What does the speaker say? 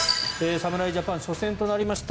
侍ジャパン初戦となりました